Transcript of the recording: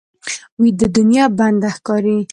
ویده دنیا بنده ښکاري